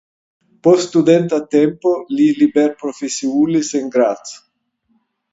Post studenta tempo li liberprofesiulis en Graz.